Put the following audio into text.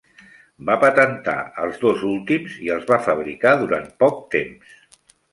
Va patentar els dos últims i els va fabricar durant poc temps.